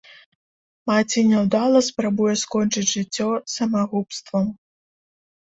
Маці няўдала спрабуе скончыць жыццё самагубствам.